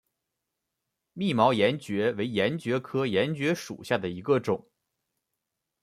密毛岩蕨为岩蕨科岩蕨属下的一个种。